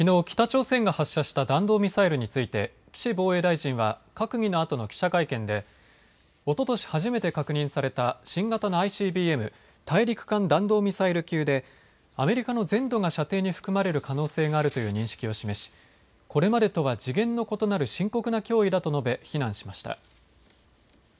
北朝鮮が発射した弾道ミサイルについて岸防衛大臣は閣議のあとの記者会見でおととし初めて確認された新型のＩＣＢＭ・大陸間弾道ミサイル級でアメリカの全土が射程に含まれる可能性があるという認識を示しこれまでとは次元の異なる深刻な脅威だと述べ非難しました。